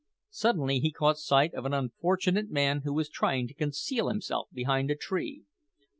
Suddenly he caught sight of an unfortunate man who was trying to conceal himself behind a tree.